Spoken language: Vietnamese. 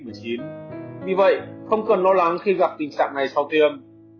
vì vậy không cần lo lắng khi gặp tình trạng ngay sau tiêm